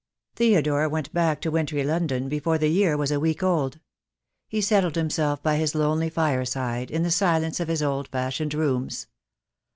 Theodore went back to wintry London before the year was a week old. He settled himself by his lonely fireside, in the silence of his old fashioned rooms.